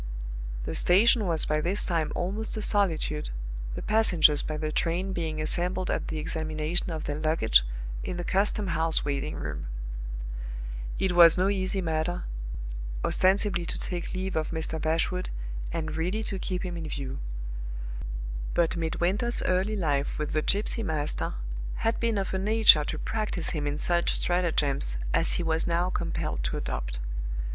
The station was by this time almost a solitude, the passengers by the train being assembled at the examination of their luggage in the custom house waiting room. It was no easy matter, ostensibly to take leave of Mr. Bashwood, and really to keep him in view. But Midwinter's early life with the gypsy master had been of a nature to practice him in such stratagems as he was now compelled to adopt.